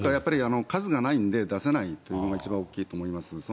数がないので出せないというのが一番大きいと思います。